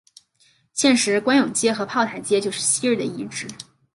现时官涌街和炮台街就是昔日的遗址。